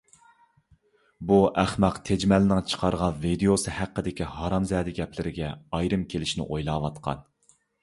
بۇ ئەخمەق تېجىمەلنىڭ چىقارغان ۋىدىيوسى ھەققىدىكى ھارامزەدە گەپلىرىگە ئايرىم كېلىشنى ئويلاۋاتقان.